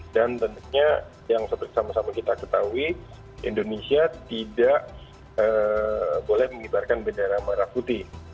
dan tentunya yang sama sama kita ketahui indonesia tidak boleh mengibarkan bendera merah putih